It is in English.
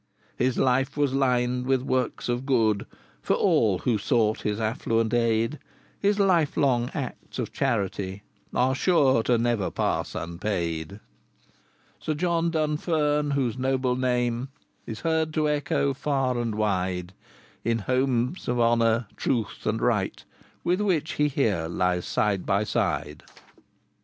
III. His life was lined with works of good For all who sought his affluent aid; His life long acts of charity Are sure to never pass unpaid. IV. Sir John Dunfern, whose noble name Is heard to echo, far and wide, In homes of honour, truth, and right, With which he here lies side by side.